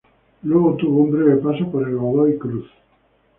Luego tuvo un breve paso en el Godoy Cruz.